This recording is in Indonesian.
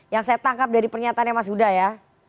yang saya tangkap dari pernyataan mas udaya